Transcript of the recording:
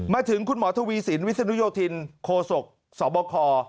มาถึงคุณหมอทวีสินวิศนุโยธินโคศกสบค